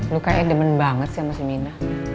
lu kayaknya demen banget sih sama ciamina